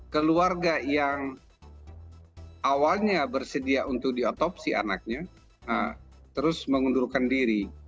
keluarga yang awalnya bersedia untuk diotopsi anaknya terus mengundurkan diri